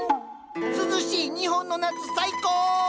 涼しい日本の夏最高！